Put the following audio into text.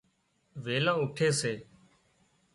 ويلان اُُوٺي سي